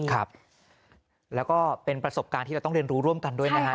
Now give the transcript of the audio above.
ครับแล้วก็เป็นประสบการณ์ที่เราต้องเรียนรู้ร่วมกันด้วยนะฮะ